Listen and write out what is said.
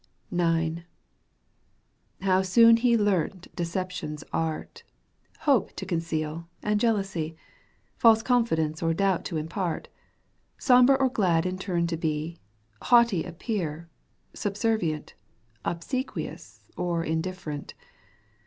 "* IX. How soon he learnt deception's art, Hope to conceal and jealousy, False confidence or doubt to impart, Sombre or glad in turn to be. Haughty appear, subservient. Obsequious or indifferent